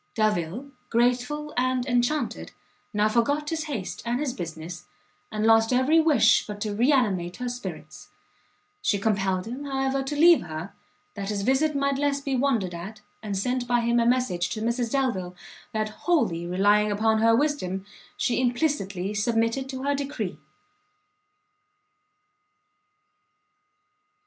Delvile, grateful and enchanted, now forgot his haste and his business, and lost every wish but to re animate her spirits: she compelled him, however, to leave her, that his visit might less be wondered at, and sent by him a message to Mrs. Delvile, that, wholly relying upon her wisdom, she implicitly submitted to her decree.